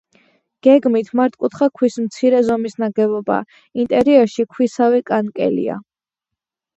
გეგმით მართკუთხა ქვის მცირე ზომის ნაგებობაა, ინტერიერში ქვისავე კანკელია.